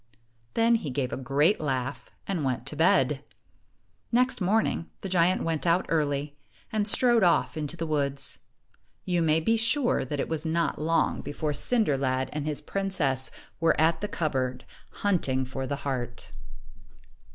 Then he gave a great laugh and went to bed. Next morning, the giant went out early, and strode off into the woods. You may be sure that it was not long before Cinder lad and his princess were at the cupboard, hunting for the ii3 heart.